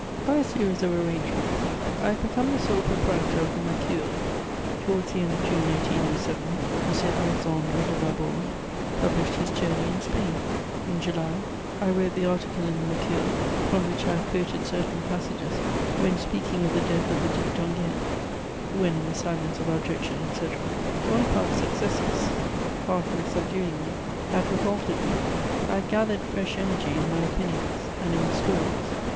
By a series of arrangements, I had become the sole proprietor of the Mercure. Towards the end of June 1807, M. Alexandre de Laborde published his Journey in Spain; in July I wrote the article in the Mercure from which I have quoted certain passages when speaking of the death of the Duc d'Enghien: "When in the silence of abjection," etc. Bonaparte's successes, far from subduing me, had revolted me; I had gathered fresh energy in my opinions and in the storms.